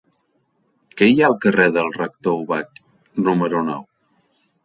Què hi ha al carrer del Rector Ubach número nou?